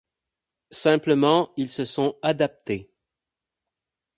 Simplement ils se sont adaptés.